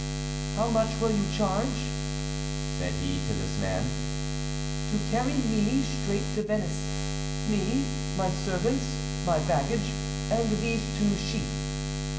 "How much will you charge," said he to this man, "to carry me straight to Venice me, my servants, my baggage, and these two sheep?"